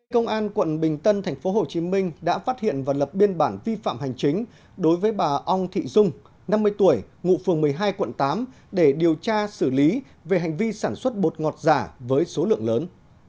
công an quận bình tân tp hcm đã phát hiện và lập biên bản vi phạm hành chính đối với bà ong thị dung năm mươi tuổi ngụ phường một mươi hai quận tám để điều tra xử lý về hành vi sản xuất bột ngọt giả với số lượng lớn